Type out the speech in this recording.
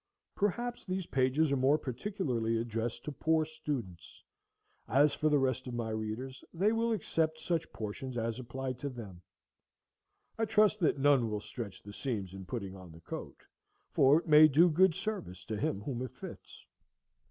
Perhaps these pages are more particularly addressed to poor students. As for the rest of my readers, they will accept such portions as apply to them. I trust that none will stretch the seams in putting on the coat, for it may do good service to him whom it fits.